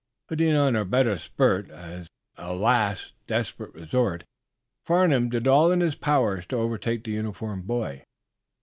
Putting on a better spurt, as a last, desperate resort, Farnum did all in his power to overtake the uniformed boy.